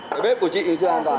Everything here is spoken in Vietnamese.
cái bếp của chị thì chưa an toàn